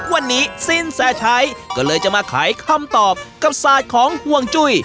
วันนี้สินแสชัยก็เลยจะมาขายคำตอบกับศาสตร์ของห่วงจุ้ย